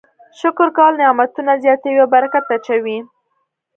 شکر کول نعمتونه زیاتوي او برکت اچوي.